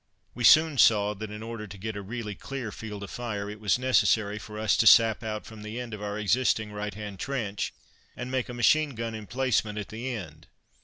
We soon saw that in order to get a really clear field of fire it was necessary for us to sap out from the end of our existing right hand trench and make a machine gun emplacement at the end.